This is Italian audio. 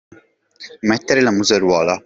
Mettere la museruola.